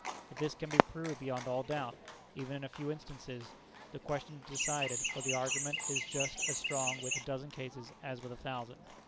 If this can be proved beyond all doubt, even in a few instances, the question is decided, for the argument is just as strong with a dozen cases as with a thousand.